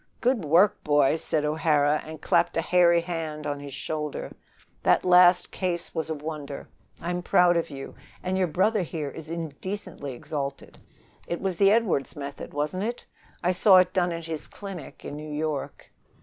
"Good work, boy!" said O'Hara, and clapped a hairy hand on his shoulder. "That last case was a wonder. I'm proud of you, and your brother here is indecently exalted. It was the Edwardes method, wasn't it? I saw it done at his clinic in New York."